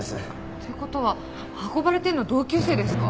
って事は運ばれてるの同級生ですか？